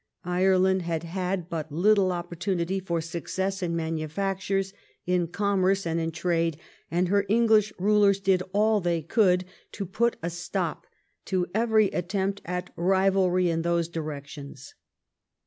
Ireland had had but little opportunity for success in manufactures, in commerce, and in trade, and her English rulers did all they could to put a stop to every attempt at rivalry in those directions.